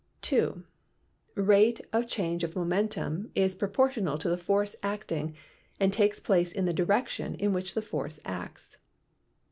(2) Rate of change of momentum is proportional to the force acting and takes place in the direction in which the force acts.